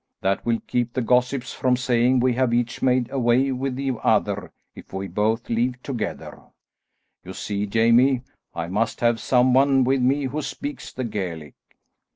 That will keep the gossips from saying we have each made away with the other if we both leave together. You see, Jamie, I must have some one with me who speaks the Gaelic."